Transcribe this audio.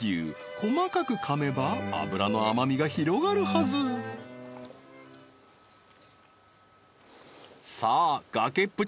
細かくかめば脂の甘みが広がるはずさあ崖っぷち